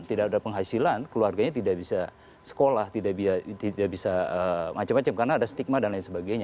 tidak ada penghasilan keluarganya tidak bisa sekolah tidak bisa macam macam karena ada stigma dan lain sebagainya